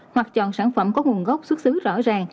hoặc chọn sản phẩm có nguồn gốc xuất xứ rõ ràng